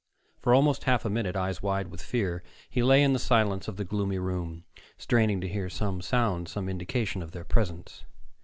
For almost half a minute, eyes wide with fear, he lay in the silence of the gloomy room, straining to hear some sound, some indication of their presence.